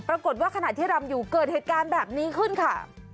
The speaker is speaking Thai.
ปรากฏว่าขณะที่รำอยู่เกิดเหตุการณ์แบบนี้ขึ้นค่ะ